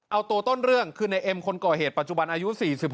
เอาตัวต้นเรื่องคือในเอ็มคนก่อเหตุปัจจุบันอายุ๔๖